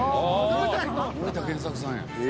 森田健作さんや。